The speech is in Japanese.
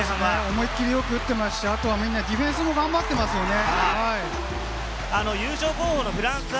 思い切りよく打ってまして、みんなあとディフェンスも頑張ってましたね。